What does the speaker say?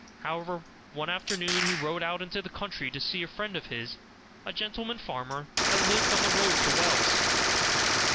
However, one afternoon he rode out into the country to see a friend of his, a gentleman farmer, who lived on the road to Wells.